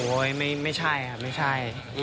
โอ้ยไม่ใช่ค่ะไม่ใช่